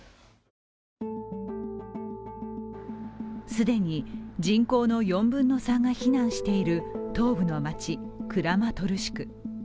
既に人口の４分の３が避難している東部の街・クラマトルシク。